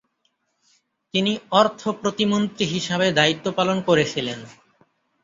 তিনি অর্থ প্রতিমন্ত্রী হিসাবে দায়িত্ব পালন করেছিলেন।